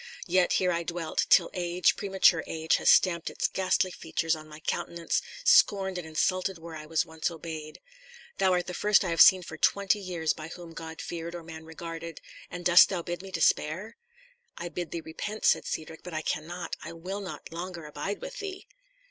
Yet here I dwelt, till age, premature age, has stamped its ghastly features on my countenance, scorned and insulted where I was once obeyed. Thou art the first I have seen for twenty years by whom God was feared or man regarded; and dost thou bid me despair?" "I bid thee repent," said Cedric; "but I cannot, I will not, longer abide with thee."